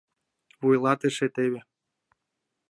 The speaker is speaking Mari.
Вуйлатыше теве.